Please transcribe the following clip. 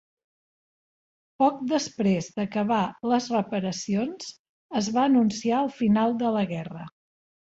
Poc després d'acabar les reparacions, es va anunciar el final de la guerra.